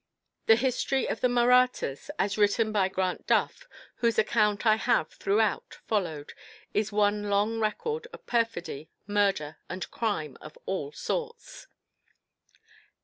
The history of the Mahrattas, as written by Grant Duff, whose account I have, throughout, followed, is one long record of perfidy, murder, and crime of all sorts.